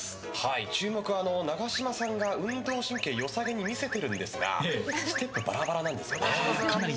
注目は永島さんが運動神経良さげに見せてるんですがステップバラバラなんですよね。